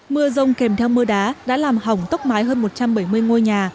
mưa rông kèm theo mưa đá đã làm hỏng tốc mái hơn một trăm bảy mươi ngôi nhà